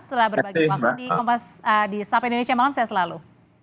setelah berbagi waktu di sapi indonesia malam saya selalu